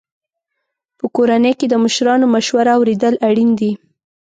په کورنۍ کې د مشرانو مشوره اورېدل اړین دي.